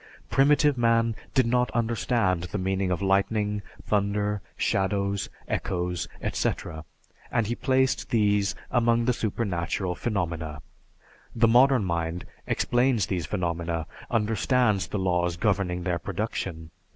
Primitive man did not understand the meaning of lightning, thunder, shadows, echoes, etc., and he placed these among the supernatural phenomena. The modern mind explains these phenomena, understands the laws governing their production.